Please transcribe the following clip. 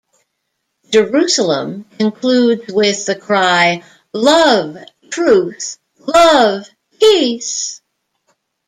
"Jerusalem" concludes with the cry "Love truth, love peace!